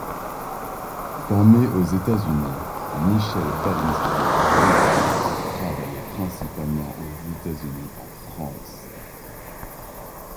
Formé aux États-Unis, Michel Balinski a vécu et travaillé principalement aux États-Unis en France.